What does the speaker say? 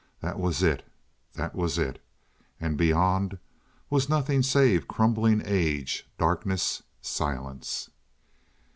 That was it: that was it. And beyond was nothing save crumbling age, darkness, silence.